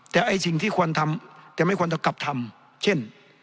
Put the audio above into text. แต่ไอ้สิ่งที่ควรทำแต่ไม่ควรจะกลับทำเช่น